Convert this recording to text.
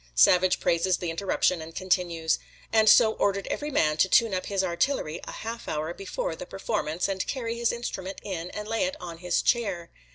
Savage praises the interruption and continues: "And so ordered every man to tune up his artillery a half hour before the performance, and carry his instrument in and lay it on his chair.